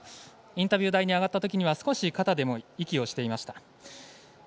インタビュー台に上がった時には少し肩でも息をしていました。